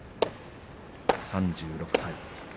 ３６歳。